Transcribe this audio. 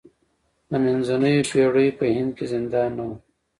د منځنیو پېړیو په هند کې زندان نه و.